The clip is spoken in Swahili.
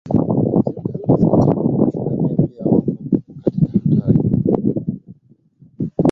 ngamia pia wako katika hatari